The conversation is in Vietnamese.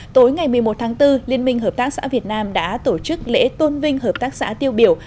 tối ngày một mươi một tháng bốn liên minh hợp tác xã việt nam đã tổ chức lễ tôn vinh hợp tác xã tiêu biểu